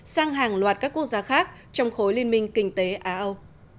sang hàng loạt các quốc gia khác trong khối liên minh kinh tế á âu